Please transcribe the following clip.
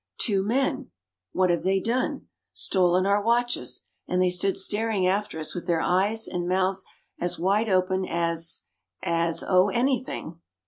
'Two men.' 'What have they done?' 'Stolen our watches;' and they stood staring after us with their eyes and mouths as wide open as as oh, anything.